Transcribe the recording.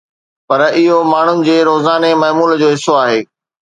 پر اهو ماڻهن جي روزاني معمول جو حصو آهي